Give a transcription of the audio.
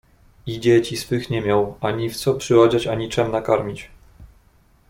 "I dzieci swych nie miał ani w co przyodziać, ani czem nakarmić."